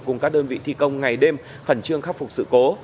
cùng các đơn vị thi công ngày đêm khẩn trương khắc phục sự cố